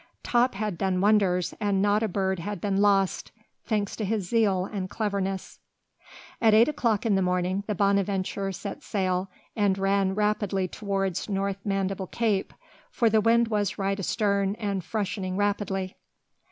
Top had done wonders, and not a bird had been lost, thanks to his zeal and cleverness. At eight o'clock in the morning the Bonadventure set sail, and ran rapidly towards North Mandible Cape, for the wind was right astern and freshening rapidly.